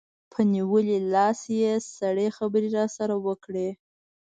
په نیولي لاس یې سړې خبرې راسره وکړې.